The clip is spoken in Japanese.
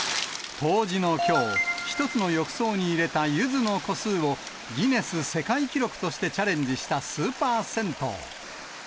冬至のきょう、１つの浴槽に入れたゆずの個数を、ギネス世界記録としてチャレンジしたスーパー銭湯。